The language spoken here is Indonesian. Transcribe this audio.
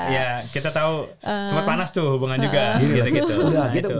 ya kita tahu sempat panas tuh hubungan juga gitu